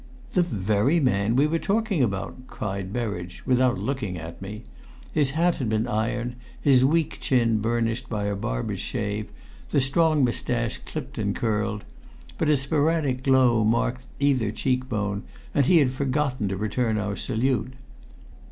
"The very man we were talking about!" cried Berridge without looking at me. His hat had been ironed, his weak chin burnished by a barber's shave, the strong moustache clipped and curled. But a sporadic glow marked either cheek bone, and he had forgotten to return our salute.